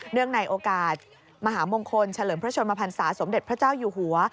ในโอกาสมหามงคลเฉลิมพระชนมพันศาสมเด็จพระเจ้าอยู่หัว